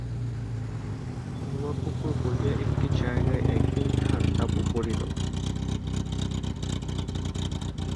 ধোবাপুকুর বলিয়া একটা জায়গায় একদিন তাহার তাঁবু পড়িল।